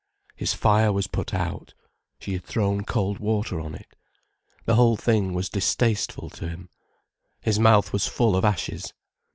His fire was put out, she had thrown cold water on it. The whole thing was distasteful to him, his mouth was full of ashes.